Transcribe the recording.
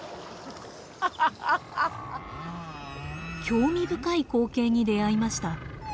興味深い光景に出会いました。